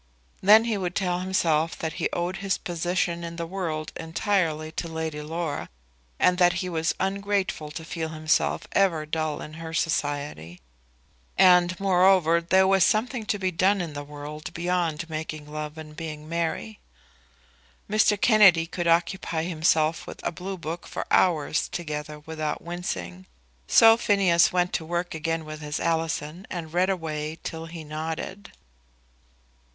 Then he would tell himself that he owed his position in the world entirely to Lady Laura, and that he was ungrateful to feel himself ever dull in her society. And, moreover, there was something to be done in the world beyond making love and being merry. Mr. Kennedy could occupy himself with a blue book for hours together without wincing. So Phineas went to work again with his Alison, and read away till he nodded.